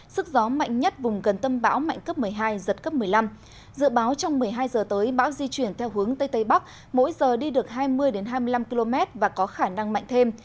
sức gió mạnh nhất vùng gần tâm bão mạnh cấp một mươi hai giật cấp một mươi năm dự báo trong một mươi hai h tới bão di chuyển theo hướng tây tây bắc mỗi giờ đi được hai mươi hai mươi năm km và có khả năng mạnh thêm